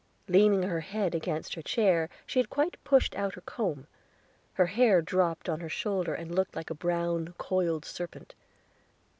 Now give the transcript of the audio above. Leaning her head against her chair, she had quite pushed out her comb, her hair dropped on her shoulder, and looked like a brown, coiled serpent.